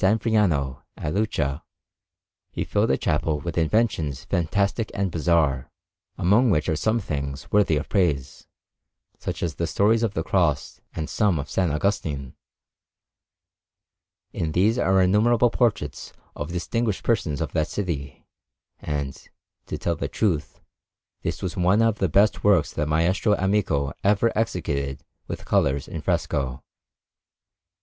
Friano, at Lucca, he filled a chapel with inventions fantastic and bizarre, among which are some things worthy of praise, such as the stories of the Cross and some of S. Augustine. In these are innumerable portraits of distinguished persons of that city; and, to tell the truth, this was one of the best works that Maestro Amico ever executed with colours in fresco.